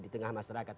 di tengah masyarakat